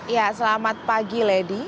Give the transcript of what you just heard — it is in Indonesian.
ya selamat pagi lady